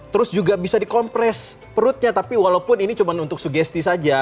terus juga bisa dikompres perutnya tapi walaupun ini cuma untuk sugesti saja